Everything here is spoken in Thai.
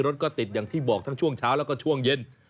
รถก็ติดอย่างที่บอกทั้งช่วงเช้าแล้วก็ช่วงเย็น